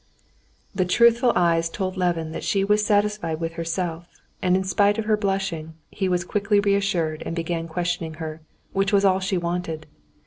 The truthful eyes told Levin that she was satisfied with herself, and in spite of her blushing he was quickly reassured and began questioning her, which was all she wanted.